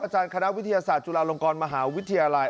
คณะวิทยาศาสตร์จุฬาลงกรมหาวิทยาลัย